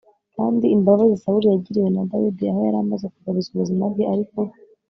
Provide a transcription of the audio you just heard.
kandi imbabazi sawuli yagiriwe na dawudi, aho yari yamaze kugabizwa ubuzima bwe, ariko